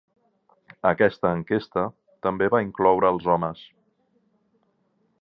Aquesta enquesta també va incloure els homes.